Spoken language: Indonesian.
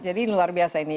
jadi luar biasa ini